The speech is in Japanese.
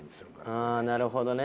ああなるほどね。